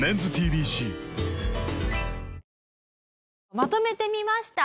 まとめてみました。